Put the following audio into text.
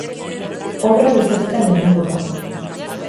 Obra bi zatitan egingo da.